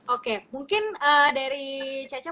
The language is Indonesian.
oke mungkin dari caca